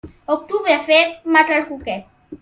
Octubre fred, mata al cuquet.